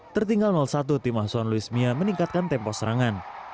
tertinggal satu tim ahsan luismia meningkatkan tempo serangan